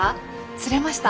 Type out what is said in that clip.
釣れました？